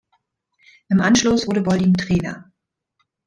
Im Anschluss wurde Boldin Trainer.